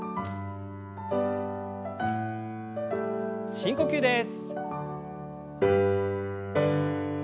深呼吸です。